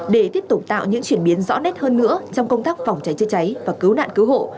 để tiếp tục tạo những chuyển biến rõ nét hơn nữa trong công tác phòng cháy chữa cháy và cứu nạn cứu hộ